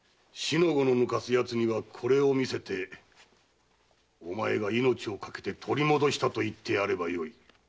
四の五の抜かす奴にはこれを見せてお前が命をかけて取り戻したと言ってやればよい。